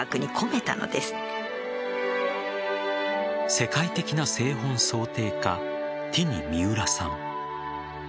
世界的な製本装丁家ティニ・ミウラさん。